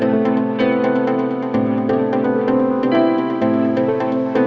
tolong biarkan saya bicara dengan dia